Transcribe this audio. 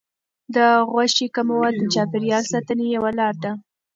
د غوښې کمول د چاپیریال ساتنې یوه لار ده.